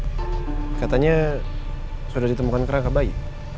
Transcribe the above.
tadi si saya telfon saya katanya sudah ditemukan kerangka bayi